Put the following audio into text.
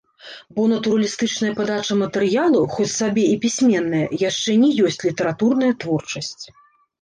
Бо натуралістычная падача матэрыялу, хоць сабе і пісьменная, яшчэ не ёсць літаратурная творчасць.